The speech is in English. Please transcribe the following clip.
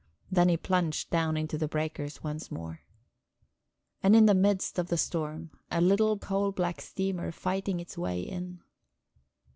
Then he plunged down into the breakers once more. And in the midst of the storm, a little coal black steamer fighting its way in...